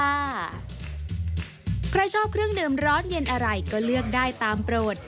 ใครชอบเครื่องดื่มร้อนเย็นอะไรก็เลือกได้ตามโปรด